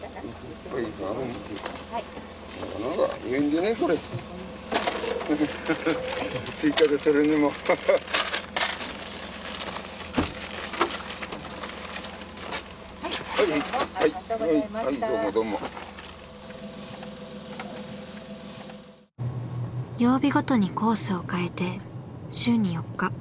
曜日ごとにコースを変えて週に４日一軒一軒まわる。